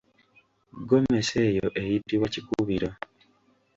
Ggomesi eyo eyitibwa kikubiro.